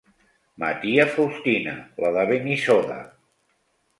Ma tia Faustina, la de Benissoda.